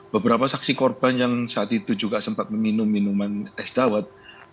beberapa saksi korban yang saat itu juga sempat meminum minuman es dawet